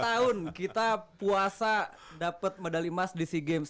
tiga puluh dua tahun kita puasa dapet medali emas di sea games